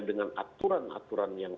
dengan aturan aturan yang